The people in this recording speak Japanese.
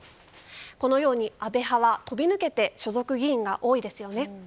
このように、安倍派はとびぬけて所属議員が多いですよね。